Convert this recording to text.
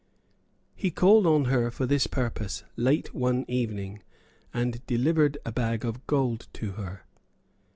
He called on her for this purpose late one evening, and delivered a bag of gold to her.